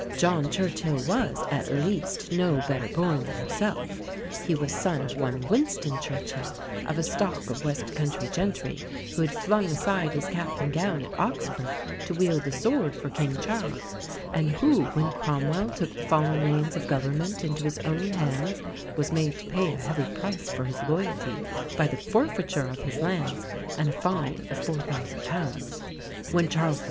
John Churchill was, at least, no better born than herself. He was son of one Winston Churchill, of a stock of West Country gentry, who had flung aside his cap and gown at Oxford to wield a sword for King Charles; and who, when Cromwell took the fallen reins of government into his own hands, was made to pay a heavy price for his loyalty by the forfeiture of his lands and a fine of £4,000. When Charles I.'